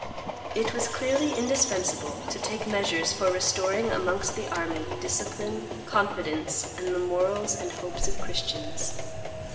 It was clearly indispensable to take measures for restoring amongst the army discipline, confidence, and the morals and hopes of Christians.